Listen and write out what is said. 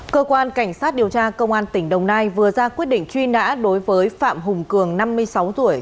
cơ quan cảnh sát điều tra công an tỉnh đồng nai vừa ra quyết định truy nã đối với phạm hùng cường năm mươi sáu tuổi